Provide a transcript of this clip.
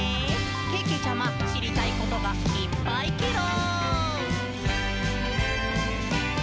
けけちゃま、しりたいことがいっぱいケロ！」